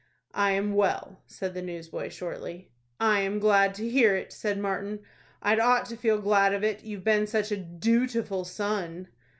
"I am well," said the newsboy, shortly. "I am glad to hear it," said Martin; "I'd ought to feel glad of it, you've been such a dootiful son."